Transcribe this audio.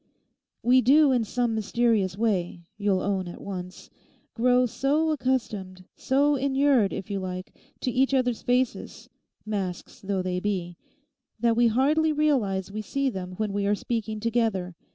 We do in some mysterious way, you'll own at once, grow so accustomed, so inured, if you like, to each other's faces (masks though they be) that we hardly realise we see them when we are speaking together.